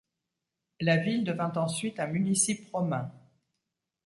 La ville devint ensuite un municipe romain.